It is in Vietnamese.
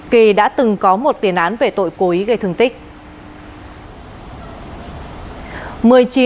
kỳ đã từng có một tiền án về tội cố ý gây thương tích